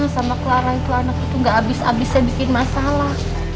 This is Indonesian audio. sama clara itu anaknya tuh gak abis abisnya bikin masalah